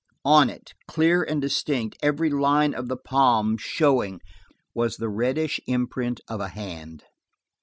On it, clear and distinct, every line of the palm showing, was the reddish imprint of a hand!